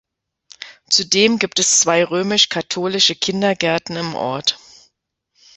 Zudem gibt es zwei römisch-katholische Kindergärten im Ort.